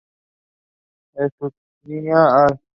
Estúñiga, al.